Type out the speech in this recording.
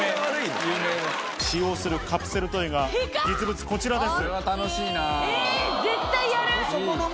使用するカプセルトイがこちらです。